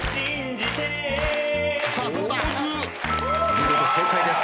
見事正解です。